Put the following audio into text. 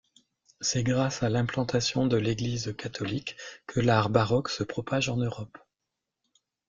C’est grâce à l’implantation de l’Église catholique que l’art baroque se propage en Europe.